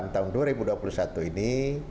tahun dua ribu dua puluh satu ini